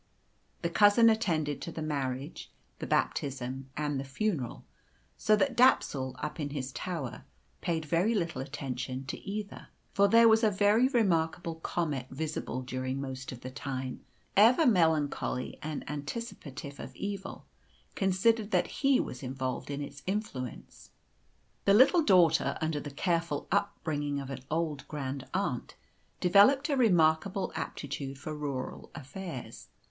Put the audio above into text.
The cousin attended to the marriage, the baptism, and the funeral; so that Dapsul, up in his tower, paid very little attention to either. For there was a very remarkable comet visible during most of the time, and Dapsul, ever melancholy and anticipative of evil, considered that he was involved in its influence. The little daughter, under the careful up bringing of an old grand aunt, developed a remarkable aptitude for rural affairs.